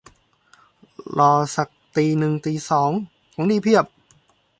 รอซักตีหนึ่งตีสอง ของดีเพียบ